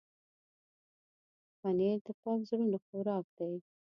پنېر د پاک زړونو خوراک دی.